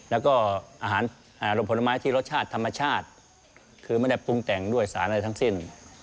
แล้วก็อาหารลมผลไม้ที่รสชาติธรรมชาติคือไม่ได้ปรุงแต่งด้วยสารอะไรทั้งสิ้น